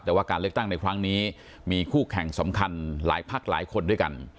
แต่ว่าการเลือกตั้งในครั้งนี้มีคู่แข่งสำคัญหลายพักหลายคนด้วยกัน